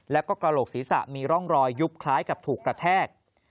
แล้วก็กระโหลกศีรษะมีร่องรอยยุบคล้ายกับถูกกระแทก